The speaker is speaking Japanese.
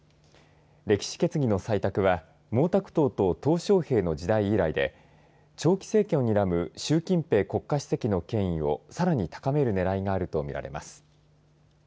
歴史決議の採択は毛沢東とトウ小平の時代以来で長期政権をにらむ習近平国家主席の権威をさらに高めるねらいがあるとみられます。